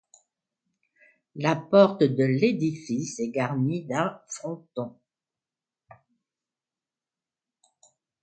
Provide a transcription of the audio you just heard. La porte de l'édifice est garnie d'un fronton.